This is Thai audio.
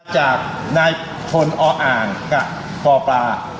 จากนายพลออ่างกับปปลา